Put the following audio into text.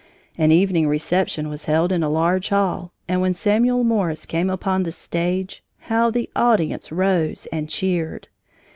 An evening reception was held in a large hall, and when Samuel Morse came upon the stage, how the audience rose and cheered!